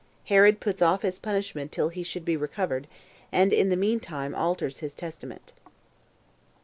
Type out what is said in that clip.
Herod Puts Off His Punishment Till He Should Be Recovered, And In The Mean Time Alters His Testament.